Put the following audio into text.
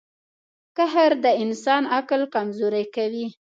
• قهر د انسان عقل کمزوری کوي.